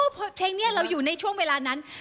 เพราะเพลงนี้เราอยู่ในช่วงเวลานั้น